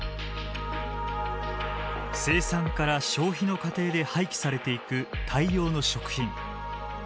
生産から消費の過程で廃棄されていく大量の食品。